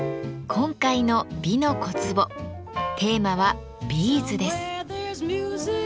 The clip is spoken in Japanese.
今回の「美の小壺」テーマは「ビーズ」です。